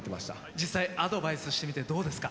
実際アドバイスしてみてどうですか？